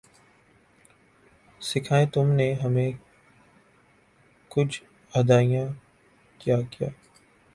سکھائیں تم نے ہمیں کج ادائیاں کیا کیا